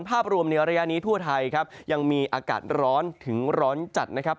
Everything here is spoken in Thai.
ภาพรวมในระยะนี้ทั่วไทยครับยังมีอากาศร้อนถึงร้อนจัดนะครับ